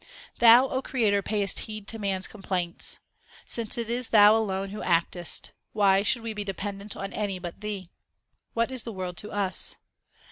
Thou, O Creator, payest heed to man s complaints. Since it is Thou alone who actest, Why should we be dependent on any but Thee ? What is the world to us